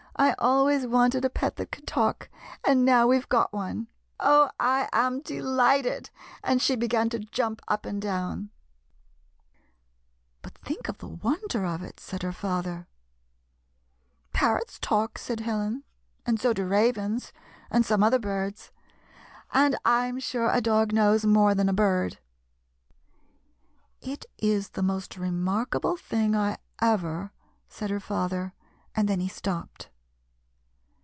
I always wanted a pet that could talk, and now we 've got one. Oh ! I am delighted !" and she began to jump up and down. 63 GYPSY, THE TALKING DOG " But think of the wonder of it," said her father. " Parrots talk," said Helen, "and so do ravens, and some other birds ; and I 'm sure a dog knows more than a bird." " It is the most remarkable thing I ever —" said her father, and then he stopj^ed.